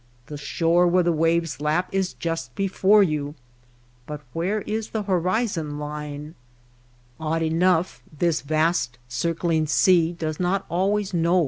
The shore where the waves lap is just before you. But where is the horizon line ? Odd enough, this vast circling sea does not always know a Mirage^ The water illitsion.